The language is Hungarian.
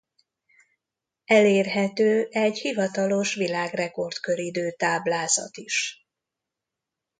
Elérhető egy hivatalos világrekord-köridő táblázat is.